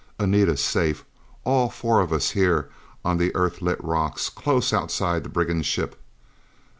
Anita safe! All four of us here on the Earthlit rocks, close outside the brigand ship.